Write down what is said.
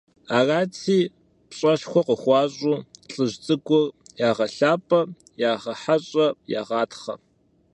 Арати, пщӀэшхуэ къыхуащӀу, лӀыжь цӀыкӀур ягъэлъапӀэ, ягъэхьэщӀэ, ягъатхъэ.